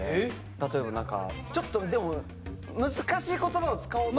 例えば何かちょっとでも難しい言葉を使おうとするんですよ。